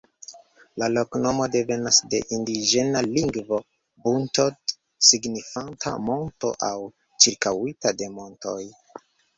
La loknomo devenas de indiĝena lingvo "buntod" signifanta "monto" aŭ "ĉirkaŭita de montoj".